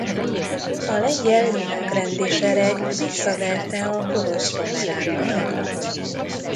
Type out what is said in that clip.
A lengyel–lovagrendi sereg visszaverte a porosz–pomerán hadakat.